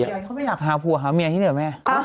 เขาก็ไม่อยากหาผู้หาเมียที่เหลือแม่